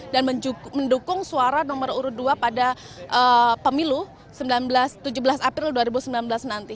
dan mendukung suara nomor urut dua pada pemilu tujuh belas april dua ribu sembilan belas nanti